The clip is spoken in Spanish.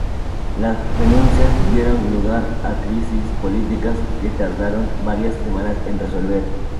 Las renuncias dieron lugar a crisis políticas que tardaron varias semanas en resolverse.